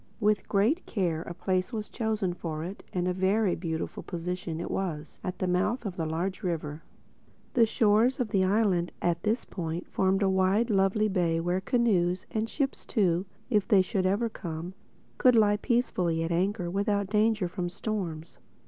With great care a place was chosen for it—and a very beautiful position it was, at the mouth of a large river. The shores of the island at this point formed a lovely wide bay where canoes—and ships too, if they should ever come—could lie peacefully at anchor without danger from storms.